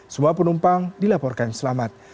semua penumpang dilaporkan selamat